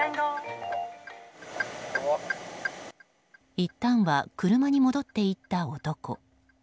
いったんは車に戻っていった男。